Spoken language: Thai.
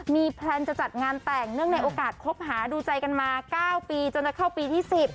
มีแพลนจะจัดงานแต่งเนื่องในโอกาสคบหาดูใจกันมา๙ปีจนจะเข้าปีที่๑๐